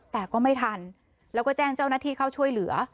แต่ก็ไม่ทันแล้วก็แจ้งเจ้าหน้าที่เข้าช่วยเหลือ